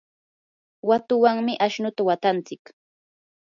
watuwanmi ashnuta watantsik.